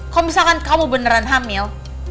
kalau misalkan kamu beneran hamil